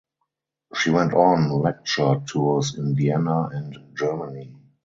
She went on lecture tours in Vienna and Germany.